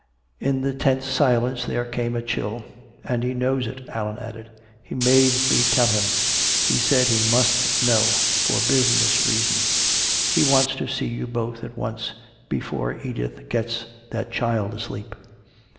In the tense silence there came a chill. "And he knows it," Allan added. "He made me tell him he said he must know for business reasons. He wants to see you both at once, before Edith gets that child asleep."